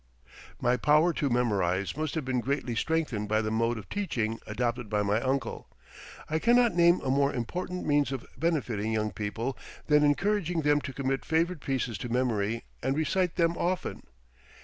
My power to memorize must have been greatly strengthened by the mode of teaching adopted by my uncle. I cannot name a more important means of benefiting young people than encouraging them to commit favorite pieces to memory and recite them often.